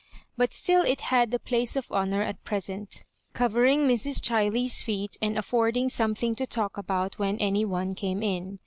But still it had the place of honour at present, covering Mrs. Chiley's feet, and affording something to talk about when any one came in.